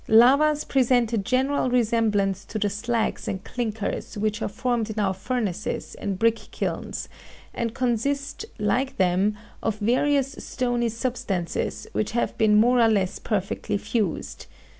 Lavas present a general resemblance to the slags and clinkers which are formed in our furnaces and brick kilns, and consist, like them, of various stony substances which have been more or less perfectly fused.